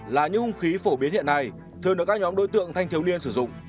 là những hung khí phổ biến hiện nay thường được các nhóm đối tượng thanh thiếu niên sử dụng